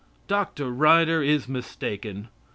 Dr. Ryder is mistaken.